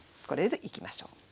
これでいきましょう。